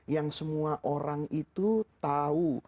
yang semua orang itu tahu